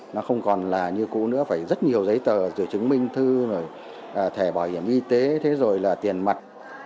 nó không còn là như cũ nữa phải rất nhiều giấy tờ rồi chứng minh thư rồi thẻ bảo hiểm y tế thế rồi là tiền mặt